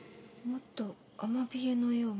「もっとアマビエを！